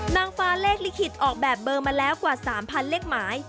นางฟ้าเลขลิขิตออกแบบเบอร์มาแล้วกว่า๓๐๐เลขหมาย